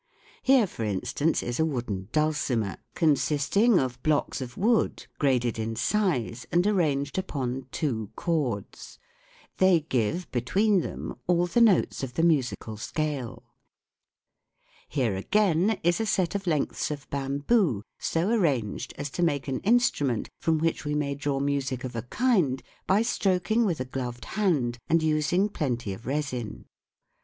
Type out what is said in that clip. Here, for instance, is a wooden dulcimer, consisting FIG. 34. A wooden " Dulcimer." 62 THE WORLD OF SOUND of blocks of wood, graded in size, and arranged upon two cords. They give, between them, all the notes of the musical scale. Here, again, is a set of lengths of bamboo so arranged as to make an instrument from which we may draw music of a kind by stroking with a gloved hand and using plenty of resin.